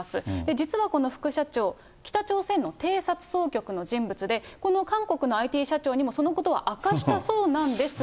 実はこの副社長、北朝鮮の偵察総局の人物で、この韓国のＩＴ社長にもそのことは明かしたそうなんですが。